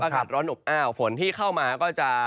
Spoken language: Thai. อากาศร้อนอบอ้าวฝนที่เข้ามาก็จะ